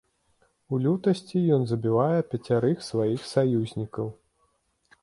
У лютасці ён забівае пяцярых сваіх саюзнікаў.